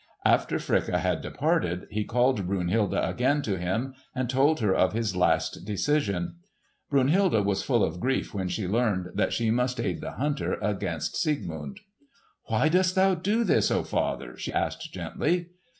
After Fricka had departed, he called Brunhilde again to him and told her of his last decision. Brunhilde was full of grief when she learned that she must aid the hunter against Siegmund. "Why dost thou do this, O father?" she asked gently.